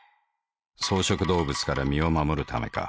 草食動物から身を護るためか。